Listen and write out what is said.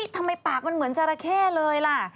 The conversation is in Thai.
ทำไมปากมันเหมือนจราเข้เลยล่ะ